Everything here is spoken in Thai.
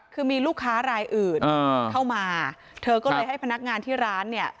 คือมีลูกค้ารายอื่นเข้ามาเธอก็เลยให้พนักงานที่ร้านเนี่ย